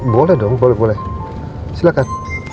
boleh dong boleh boleh silakan